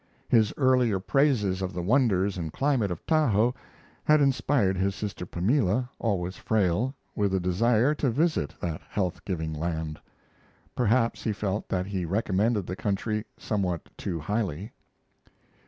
His earlier praises of the wonders and climate of Tahoe had inspired his sister Pamela, always frail, with a desire to visit that health giving land. Perhaps he felt that he recommended the country somewhat too highly.